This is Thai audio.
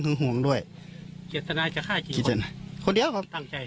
กิจตนายจากฆ่ากี่คน